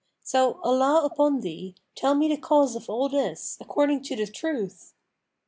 So, Allah upon thee, tell me the cause of all this, according to the truth!'